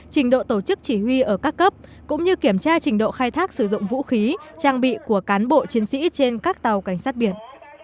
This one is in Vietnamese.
trình độ tổ chức chỉ huy ở các cấp cũng như kiểm tra trình độ khai thác sử dụng vũ khí trang bị của cán bộ chiến sĩ trên các tàu cảnh sát biển